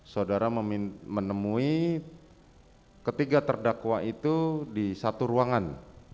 saudara menemui ketiga terdakwa itu di satu ruangan